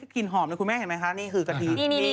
กลิ่นหอมเลยคุณแม่เห็นไหมคะนี่คือกะทิ